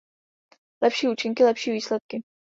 Lepší účinky, lepší výsledky.